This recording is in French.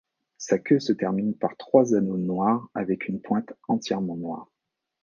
Sa queue se termine par trois anneaux noirs avec une pointe entièrement noire.